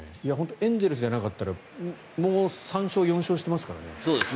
エンゼルスじゃなかったらもう３勝、４勝してますからね。